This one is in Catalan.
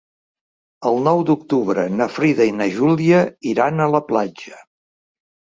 El nou d'octubre na Frida i na Júlia iran a la platja.